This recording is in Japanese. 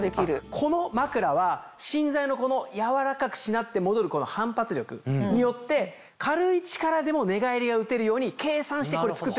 この枕は芯材の柔らかくしなって戻るこの反発力によって軽い力でも寝返りがうてるように計算してこれ作ってるんですよ。